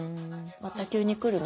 また急に来るね。